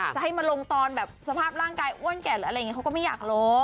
จะให้มาลงตอนแบบสภาพร่างกายอ้วนแก่หรืออะไรอย่างนี้เขาก็ไม่อยากรู้